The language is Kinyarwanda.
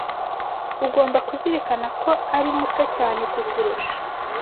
Ugomba kuzirikana ko ari muto cyane kukurusha